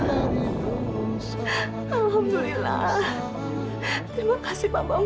alhamdulillah terima kasih bapak ibu